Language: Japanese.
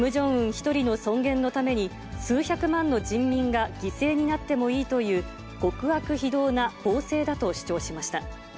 一人の尊厳のために、数百万の人民が犠牲になってもいいという、極悪非道な暴政だと主張しました。